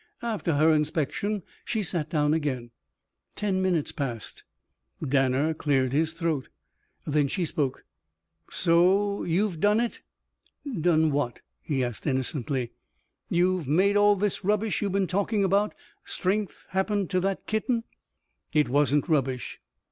After her inspection she sat down again. Ten minutes passed. Danner cleared his throat. Then she spoke. "So. You've done it?" "Done what?" he asked innocently. "You've made all this rubbish you've been talking about strength happen to that kitten." "It wasn't rubbish."